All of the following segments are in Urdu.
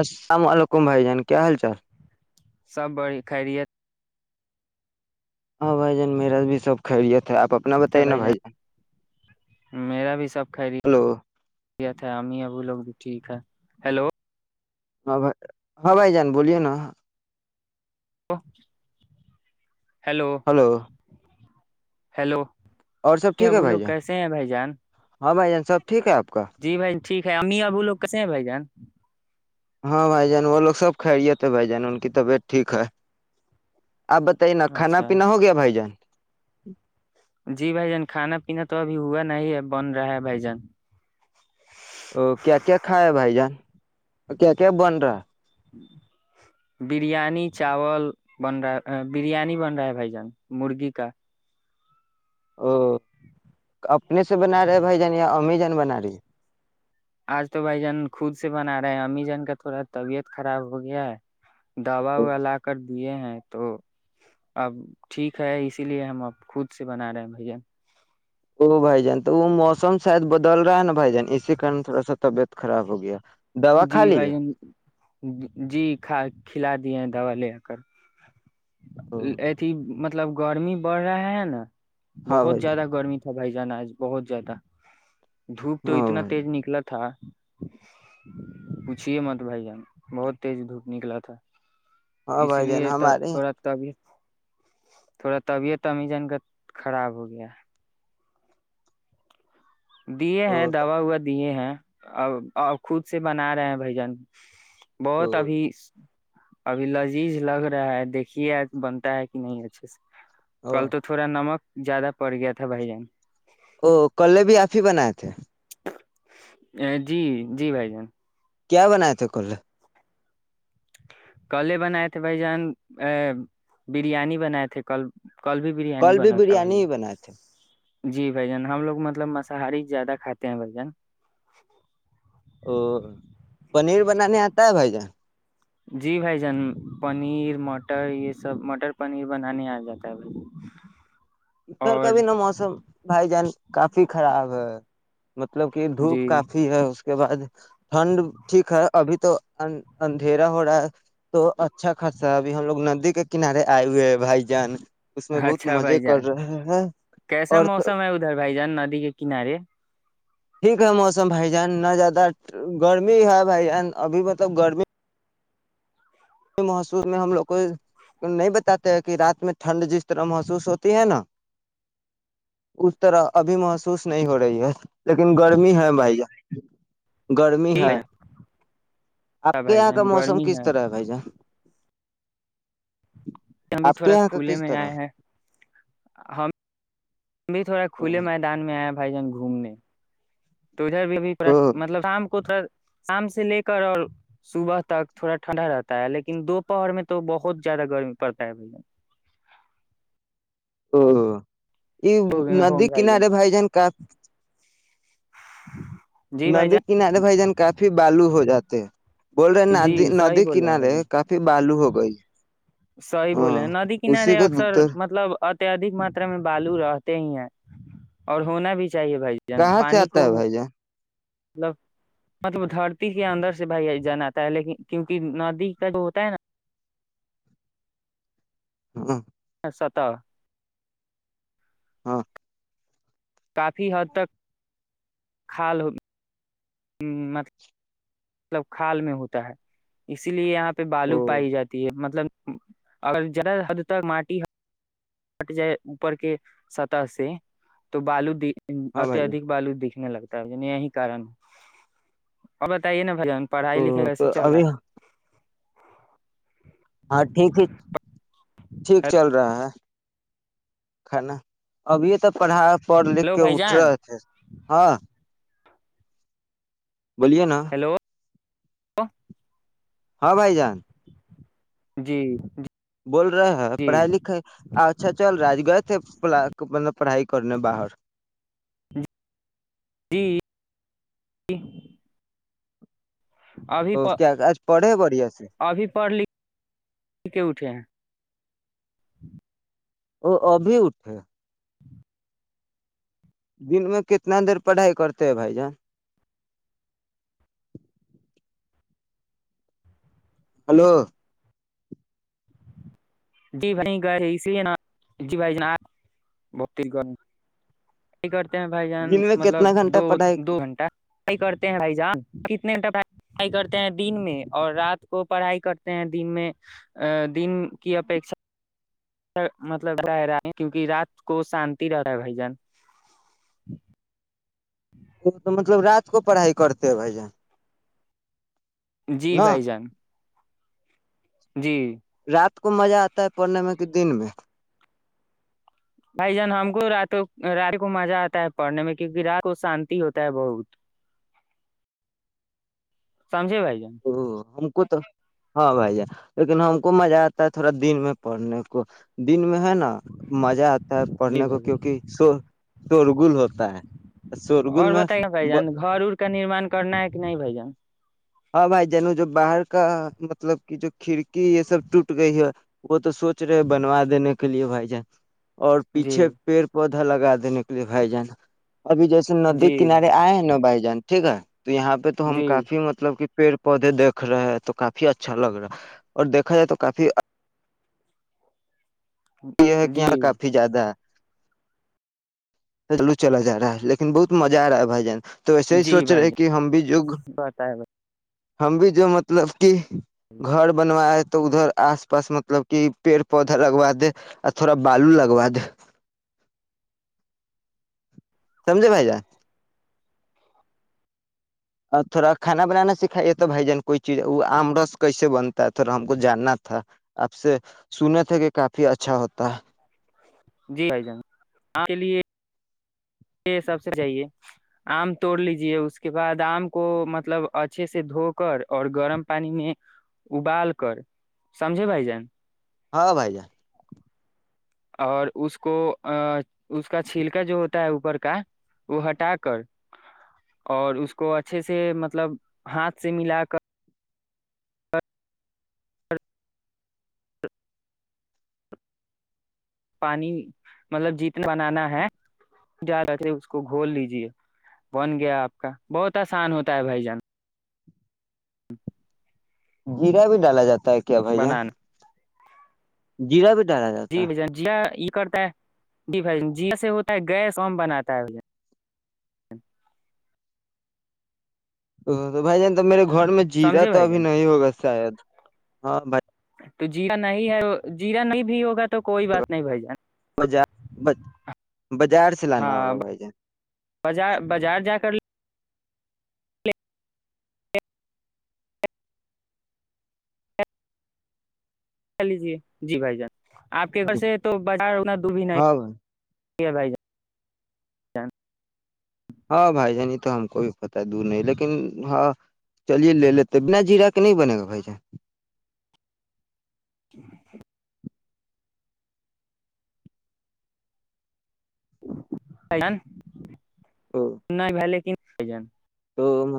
السلام علیکم بھائی جان کیا حال چال سب بڑی خیریت ہاں بھائی جان میرا بھی سب خھرییت آپ اپنا ہے بتائیے نا بھائی جان ہلو ہم ابو لگ بھی ٹھیک ہے ہلو ہاں بھائی ہاں بھائی جان بولیے نا ہ ہلو ہیلو اور سب نہیں ٹھیک اب ہے وہ بھائی لوگ جان کیسے ہیں بھائی جان ہاں بھ ج سب ٹھیک ہے آپ کا جی بھائی ٹھیک ہے امی ابو لوگ کیسے ہیں بھ جان ہاں بھائی جان وہ لوگ سب کھرییے تھے بھائی جان ان کی طبیعت ٹھیک ہے آپ بتائیے نا کھانا اچھا پینا ہو گیا بھائی جان جی جی بھائی جان کھانا پینا تو ابھی ہوا نہیں ہے بن رہا ہے بھائی جان ا کیا کیا کھایا بھائی جان ا کیا کیاب بنرا بریانی چاول بن رہا بریانی بن رہا ہے بھائی جان مرغی کا او اپنے سے بنا رہے ہیں بھائی جان یا امی جان بنا رہی ہے آج تو بھائی جان خود سے بنا رہے ہیں امی جان کا تھوڑا طبیعت خراب ہو گیا ہے دوا وا لا کر دیے ہیں تو اب ٹھیک ہے اسی لیے ہم اب خود سے بنا رہے ہیں بھیا ا بھائی جان تو وہ موسم شاید بدل رہا ہے نا بھائی جان اسی کارن تھوڑا سا طبیعت خراب ہو گیا دوا کھا جی لیے بھائی جن جی کا کھلا دیا ہیں دوا لے کر او ای ت مطب مطلب گرمی بڑھ رہا ہے نا ہاں بہت بھائی جان زیادہ گرمی تھی اچھا بھائی جان آج بہت زیادہ دھوپ تو ہاں اتنا بھائی تیز نکلا تھا [unintelligible] پوچھیے مت بھائی جان بہت تیز دھوپ نکلا تھا ہاں اس بھائی جان لیے تو ہمارے تھوڑا تو ابھی تھوڑا طبیعت امیزن کا خراب ہو گیا دیے ہیں دوا ووا دیے ہیں ا خود سے بنا رہے ہیں بھجن بہت ابھی ابھی لذیذ لگ رہا ہے دیکھیے بنتا ہے کہ نہیں اچھے سے کل تو تھوڑا نمک زیادہ پڑ گیا تھا بھائی جان فی بنائے تھے ا جی جی بھائی جان کیا بنائے تھے کلر کلے بنائے تھے بھ جان ا بریانی بنائے تھے کل بھی بریانی کل بھی بنا تھا بھائی بریانی ہی جان بنائے تھے جی بھ جان ہم لوگ مطلب مساہاری زیادہ کھاتے ہیں بھ جن او پنیر بنانے آتا ہے بھائی جان جی بھائی جان پنیر مٹر یہ سب مٹر پنیر بنانے آ جاتا ہے بھائی ادھر کا اور بھی نا موسم بھائی جان کافی خراب ہاں مطلب کہ جی دھوپ کافی ہے کے بعد ٹھنڈ ٹھیک ہے ابھی تو اندھیرا ہو رہا ہے تو اچھا خرصہ ہے ابھی ہم لوگ ندی کے کنارے آئے ہوئے ہے بھائی جان اس میں بہت مزے ج کر رہے ہیں کیسا اور موسم ہے ادھر بھائی جان ندی کے کنارے ٹھیک ہے موسم بھائی جان نہ زیادہ گرمی ہے بھائی جان ابھی مطلب گرمی محسوس میں ہم لوگ کو نہیں بتاتے ہے کہ رات میں ٹھنڈ جس طرح محسوس ہوتی ہے نا اس طرح ابھی محسوس نہیں ہو رہی ہے لیکن گرمی ہے بھ گرمی ہے آپ کے بھائی یہاں کا جان موسم گرمی کس طرح ہے بھائی جان ہم بھی آپ کے تھوڑا یہاں کا کھلے کس میں طرح آئے ہیں ہم [inaudible] ہم بھی تھوڑا کھلے او میدان میں آئے جان گھومنے تو ادھر بھی مطلب شام کو تو شام سے لے کر اور صبح تک تھوڑا ٹھنڈا رہتا ہے لیکن دوپہر میں تو بہت زیادہ گرمی پڑتا ہے بھیا او یہ جان ہو ندی بھائی کنارے بائی جان کا چ [inaudible] ہ [inaudible] ندی کنارے بھائی جان کافی بالو ہو جاتا ت [inaudible] جی صی بولے ہیں ب بالو ہو گئی سی ہاں بولے ہیں ندی اسی کنارے اکثر کو مطلب اتدھک ماترا میں بالو رہتے ہی ہیں اور ہونا بھی چاہیے بھائی جان کہاں سے پانی آتا کو ہے بھائی جان مطلب مطلب دھرتی کے اندر سے بھائی جان آتا ہے لیکن کیونکہ ندی کا جو ہوتا ہے نا ہ ستا ہاں کافی حد تک کھا لو مطلب کھال میں ہوتا ہے اسی لیے یہاں پہ او بالو پائی جاتی ہے مطلب اگر حد تک ماٹی ہٹ جائے اوپر کے سطح سے تو بالو دی ہاں ا بھائی جان ادک بالو دیک لگتا ہے یہی کن ہے اور بتائیے نا پڑھائی او لکھائی کیسے تو چل ابھی رہا ہے ٹھیک ہے چل رہا ہے کھانا اب یہ سب پڑھا پڑھ لکھ ہیلو کے بھائی اٹھ جان رہے تھے ہاں بولیے نا و [inaudible] ہاں بھائی جان جی جی بول رہے ہیں پڑھائی لکھائی اچھا چل راج گئے تھے مطلب [unintelligible] پڑھائی کرنے باہر جی جی تو کیا آج پڑھے بڑھیا سے ابھی پڑھ لکھ کے اٹھے ہیں وہ ابھی اٹھے دن میں کتنا دیر پڑھائی کرتے ہیں بھائی جان ہلو جی بھائی اس لیے نا جی بھائی ب ہیں بھائی جان دن میں مطلب کتنا گھنٹہ دو پڑھائی دو گھنٹہ پڑھائی کرتے ہیں بھائی جان کتنےٹ پڑھائی کرتے ہیں دن میں اور رات کو پڑھائی کرتے ہیں دن میں دن کی اپیکشا مطلب رہا کیونکہ رات کو شانتی رہ رہا ہے بھائی جان وہ تو مطلب رات کو پڑھائی کرتے ہیں بھائی جان جی نا بھائی جان جی رات کو مزہ آتا ہے پڑھنے میں کہ دن میں بھائی جان ہم کو رات رات کو مزہ آتا ہے پڑھنے میں کیونکہ رات کو شانتی ہوتا ہے بہت سمجھے بھائی جان ہم کو تو ہاں بھائی ج لیکن ہم کو مزہ آتا ہے تھوڑا دن میں پڑھنے کو دن میں ہے نا مزہ آتا ہے جی پڑھنے کو بھائی جان کیونکہ س شورگل ہوتا ہے شورگل اور میں بتائیے نا بھائی جان گھر ار کا نرمان کرنا ہے کہ نہیں بھائی جان ہاں بھائی جن جو باہر کا مطلب کی جو کھڑکی یہ سب ٹوٹ گئی ہے وہ تو سوچ رہے بنوا دینے کے لیے بھائی جان اور جی پیچھے پیڑ پودے پا لگا دینے کے لیے بھائی جان ابھی جیسے ندی جی کنارے آئے ہیں نا بھائی جان ٹھیک ہے تو یہاں پہ تو ہم جی کافی م ب پیڑ پودے دھ رہے ہیں تو کافی اچھا لگ رہا ہے اور دیکھا جائے تو کافی یہ ہے کہ یہاں جی کافی زیادہ ہے لو چلا جا رہا ہے لیکن بہت مزہ آ رہا ہے بھائی جان تو ایسے ہی جی سوچ بھائی رہے جان کہ ہم بھی جگ بتائے بھائی ہم بھی جو مطلب کہ گھر بنوائے ہے تو ادھر آس پاس مطلب کہ پیڑ پودا لگوا دے اور تھوڑا بالو لگوا دے سمجے بھائی جا اور تھوڑا کھانا بنانا سکھائیے تو بھائی جان کوئی چیز وہ آم رس کیسے بنتا ہے تھڑا ہم کو جاننا تھا آپ سے سنے تھے کہ کافی اچھا ہوتا جی بھائی جان آ کے لیے سب سے چاہیے آم توڑ لیجے اس کے بعد آم کو مطلب اچھے سے دھو کر اور گرم پانی میں ابال کر سمجھے بھائی جان ہاں بھائی جان اور اس کو اس کا چھلکا جو ہوتا ہے اوپر کا وہ ہٹا کر اور اس کو اچھے سے مطلب ہاتھ سے ملا کر پانی مطلب جتنا بنانا ہے جا رہ تھ اس کو گھول لیجیے بن گیا آپ کا بہت آسان ہوتا ہے بھائی جان گرا بھی ڈالا جاتا ہے بت کیا بھائی ج بنانا جیرا ب جی بان ج کرتا ہے ڈ جی سے ہوتا ہے گیس بناتا ہے ا تو بھائی جان تو میرے کو گھر میں جیرا سمجھے تو بھائی ابھی جان نہیں ہوگا شاید ہاں بھائی تو جیرا نہیں ہے جیرا نہیں بھی ہوگا تو کوئی بات نہیں بھائی جان بازار سے لانا ہاں ہوگا بھائی ج بازار بازار جا کر کہ لیجیے جی بھائی جان آپ کے گھر سے تو بازار انا دب ہی نہیں ہاں بھائی ٹھ ہے بھائی جان جان ہاں بھائی جان یہ تو ہم کو بھی پت ہے دور نہیں لیکن ہاں چلیے لے لیتے بنا جیرا کے نہیں بنے گا بھائی جان ج ن ے س جان تو م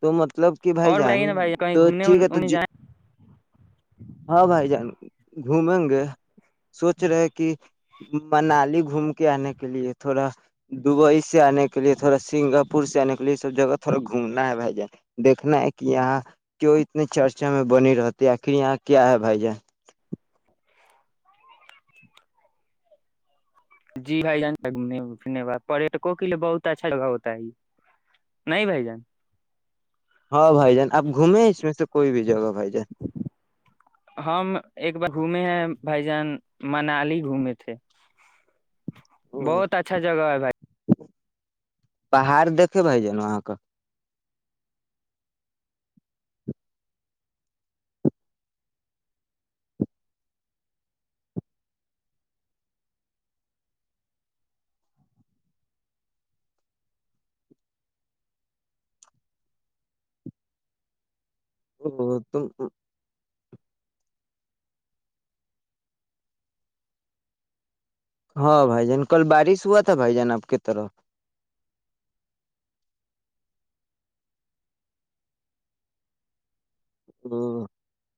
تو مت مطلب کہ بھائی اور جان بتائیے نا بھائی کہیں تو گھومنے ٹھیک ہے تو وومنے جی جائیں ہاں بھائی جان گھومیں گے سوچ رہے کہ منالی گھوم کے آنے کے لیے تھوڑا دبئی سے آنے کے لیے تھوڑا سنگ اپپ پور سے آنے کے لیے سب جگہ تھوڑا گھومنا ہے بھائی جان دیکنا ہے کہ یہاں کیوں اتنی چرچا میں بنی رہتی آخر یہاں کیا ہے بھائی جان جی بھائی جاننے ب پٹکوں کے لیے بہت اچھا جگہ ہوتا ہے یہ نہیں بھائی جان ہاں بھائی جان آپ گھومیں اس میں سے کوئی بھی جگہ بھائی ہم ایک بار گھومے ہیں بھائی جان منالی گھومے تھے جان بہت اچھا جگہ ہے بھائی پہاڑ دیکے بائی جان آاں کا ا تو ہاں بھائی جان کل بارش ہوا تھا بھائی جان آپ کی طرف ہ [inaudible]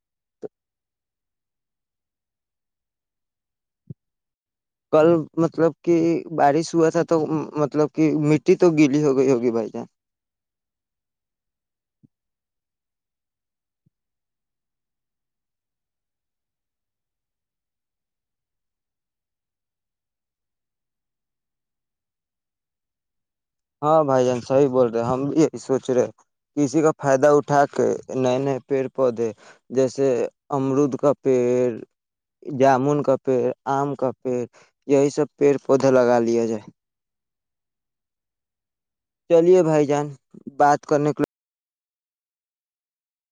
کل مطلب کہ بارش ہوا تھا تو مطلب کہ مٹی تو گیلی ہو گئی ہوگی بھائی جان [unintelligible] ہاں بھائی جان صحی بول رہے ہم بھی یہی سوچ رہے کسی کا فائدہ اٹھا کے نئے نئے پیڑ پودے جیسے امرود کا پیڑ جامن کا پیڑ آم کا پیڑ یہی سب پیڑ پودے لگا لیا جائے [unintelligible] چلیے بھائی جان بات کرنے کے لے [unintelligible]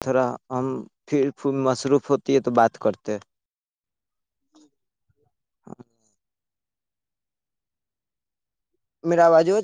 تھذرا ہم پھر پ مصروف ہوتی ہے تو بات کرتے [unintelligible] میرا بازوں [unintelligible]